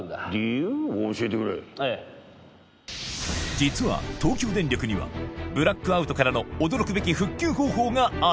実は東京電力にはブラックアウトからの驚くべき復旧方法がある！